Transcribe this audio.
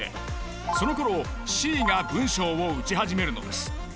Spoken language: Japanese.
そのころＣが文章を打ち始めるのです。